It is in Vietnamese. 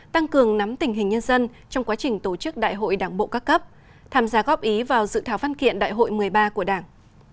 tăng cường nắm tình hình nhân dân trong quá trình tổ chức đại hội đảng bộ các cấp tham gia góp ý vào dự thảo văn kiện đại hội một mươi ba của đảng